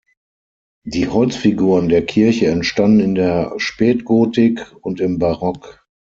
Die Holzfiguren der Kirche entstanden in der Spätgotik und im Barock.